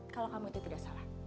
kalau kamu itu tidak salah